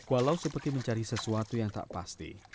walau seperti mencari sesuatu yang tak pasti